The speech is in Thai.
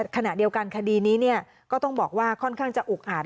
ขณะเดียวกันคดีนี้ก็ต้องบอกว่าค่อนข้างจะอุกอาจ